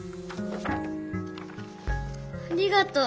ありがとう。